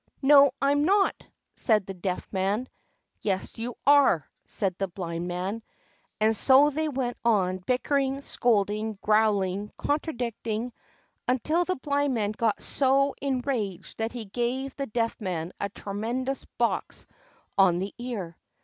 "No, I'm not," said the Deaf Man. "Yes, you are," said the Blind Man; and so they went on bickering, scolding, growling, contradicting, until the Blind Man got so enraged that he gave the Deaf Man a tremendous box on the ear.